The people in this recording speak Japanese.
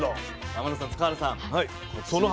天野さん塚原さん。